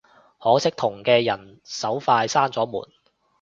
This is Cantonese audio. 可惜同嘅人手快閂咗門